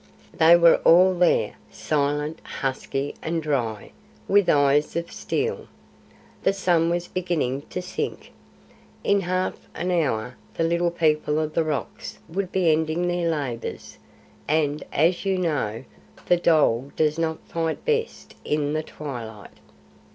They were all there, silent, husky, and dry, with eyes of steel. The sun was beginning to sink. In half an hour the Little People of the Rocks would be ending their labours, and, as you know, the dhole does not fight best in the twilight.